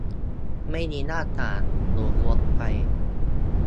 ไม่มีหน้าต่าง อยู่วนไป